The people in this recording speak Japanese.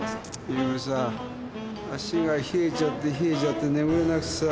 ゆうべさ足が冷えちゃって冷えちゃって眠れなくてさ。